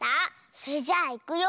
それじゃあいくよ。